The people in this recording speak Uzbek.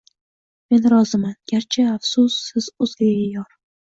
Men roziman, garchi, afsus, siz o’zgaga yor